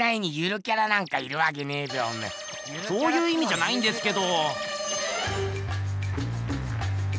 そういういみじゃないんですけど。